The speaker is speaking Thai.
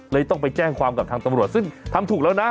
ต้องไปแจ้งความกับทางตำรวจซึ่งทำถูกแล้วนะ